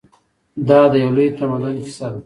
دا د یو لوی تمدن کیسه ده.